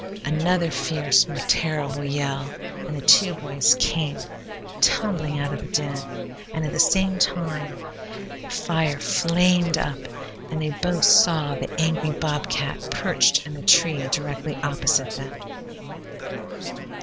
Another fierce, more terrible yell, and the two boys came tumbling out of the den, and at the same instant the fire flamed up and they both saw the angry bobcat perched in the tree directly opposite them.